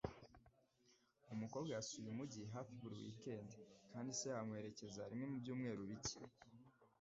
Umukobwa yasuye umujyi hafi buri wikendi, kandi se yamuherekeza rimwe mubyumweru bike.